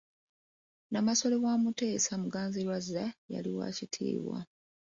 Namasole wa Mutesa, Muganzirwazza, yali wa kitiibwa.